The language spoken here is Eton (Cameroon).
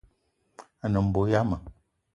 A ne mbo yama